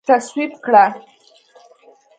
تصویب کړه